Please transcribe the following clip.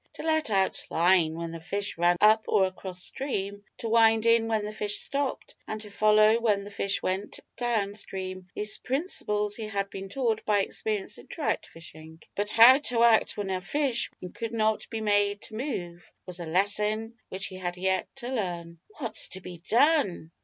To let out line when the fish ran up or across stream, to wind in when the fish stopped, and to follow when the fish went down stream these principles he had been taught by experience in trout fishing; but how to act when a fish would not move, and could not be made to move, was a lesson which he had yet to learn. "What's to be done?"